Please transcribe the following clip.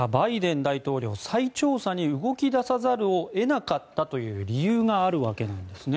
大統領再調査に動き出さざるを得なかったという理由があるわけなんですね。